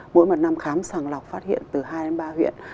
mỗi một năm khám sàng lọc phát hiện từ hai đến ba huyện